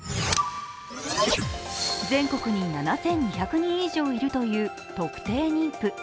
全国に７２００人以上いるという特定妊婦。